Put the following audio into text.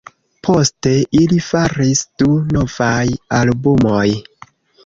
Poste ili faris du novaj albumoj.